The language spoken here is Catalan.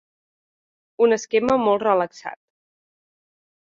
Un esquema molt relaxat.